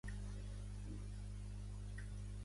Simret Bassra-Brar és l"editor de la revista.